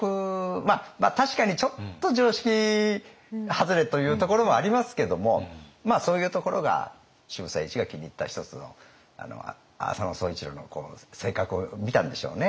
まあ確かにちょっと常識外れというところもありますけどもそういうところが渋沢栄一が気に入った一つの浅野総一郎の性格を見たんでしょうね。